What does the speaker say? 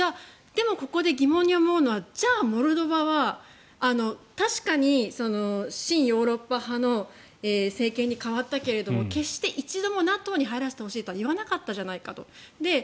でもここで疑問に思うのはじゃあモルドバは確かに親ヨーロッパ派の政権に変わったけれども決して一度もＮＡＴＯに入らせてほしいとは言わなかったじゃないかと。